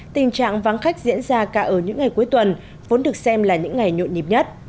tình trạng vắng khách diễn ra cả ở những ngày cuối tuần vốn được xem là những ngày nhộn nhịp nhất